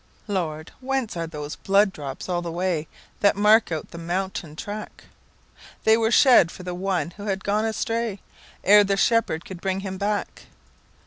"Lord, whence are those blood drops all the way, That mark out the mountain track?""They were shed for one who had gone astrayEre the Shepherd could bring him back."